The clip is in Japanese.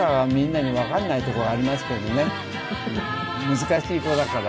難しい子だから。